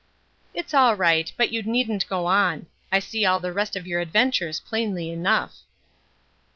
"It's all right. But you needn't go on. I see all the rest of your adventures plainly enough."